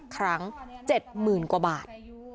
๙๐ครั้ง๗๐๐๐บาท